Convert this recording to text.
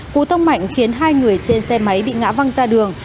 cụ thông mạnh khiến hai người trên xe máy bị ngã văng ra đường